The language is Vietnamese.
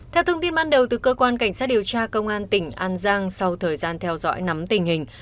theo thông tin ban đầu từ cơ quan cảnh sát điều tra công an tỉnh an giang sau thời gian theo dõi nắm tình hình